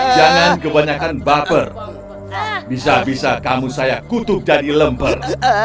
jangan kebanyakan baper bisa bisa kamu saya kutub jadi lemper